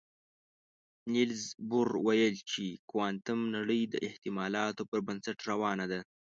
نيلز بور ویل چې کوانتم نړۍ د احتمالاتو پر بنسټ روانه ده.